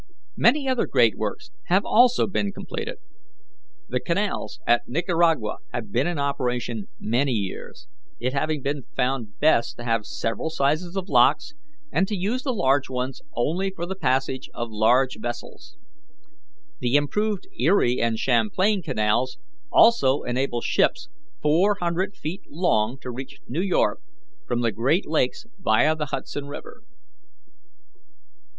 "Many other great works have also been completed. The canals at Nicaragua have been in operation many years, it having been found best to have several sizes of locks, and to use the large ones only for the passage of large vessels. The improved Erie and Champlain Canals also enable ships four hundred feet long to reach New York from the Great Lakes via the Hudson River.